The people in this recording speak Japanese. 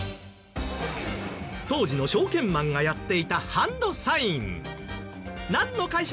当時の証券マンがやっていたハンドサイン